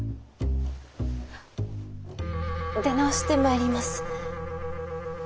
出直してまいります。